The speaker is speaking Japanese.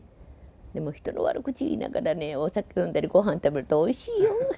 でも人の悪口言いながらね、お酒飲んだり、ごはん食べるとおいしいよ。